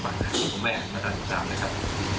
ผมไม่อ่านมาตรา๑๓นะครับ